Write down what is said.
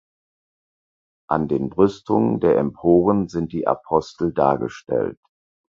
An den Brüstungen der Emporen sind die Apostel dargestellt.